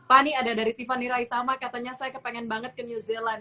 pak ini ada dari tiffany raitama katanya saya kepengen banget ke new zealand